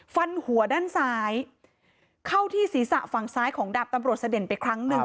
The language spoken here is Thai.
ฟันหัวด้านซ้ายเข้าที่ศีรษะฝั่งซ้ายของดาบตำรวจเสด็จไปครั้งหนึ่ง